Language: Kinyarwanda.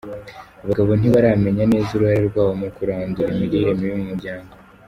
Abagabo ntibaramenya neza uruhare rwabo mu kurandura imirire mibi mu miryango.